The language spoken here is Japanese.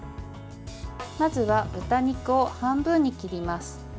まずは、豚肉を半分に切ります。